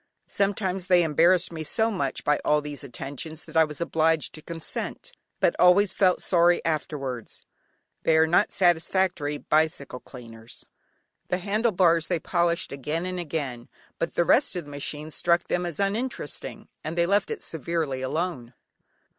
Sometimes they embarrassed me so much by all these attentions that I was obliged to consent, but always felt sorry afterwards; they are not satisfactory bicycle cleaners. The handle bars they polished again and again, but the rest of the machine struck them as uninteresting, and they left it severely alone.